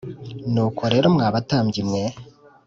Nuko rero mwa batambyi mwe